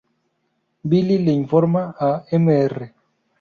Billy le informa a Mr.